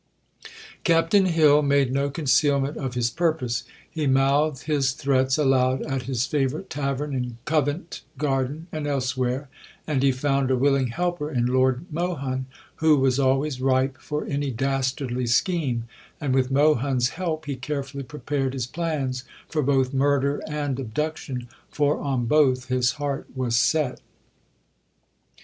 Captain Hill made no concealment of his purpose. He mouthed his threats aloud at his favourite tavern in Covent Garden and elsewhere; and he found a willing helper in Lord Mohun, who was always ripe for any dastardly scheme; and, with Mohun's help, he carefully prepared his plans for both murder and abduction, for on both his heart was set.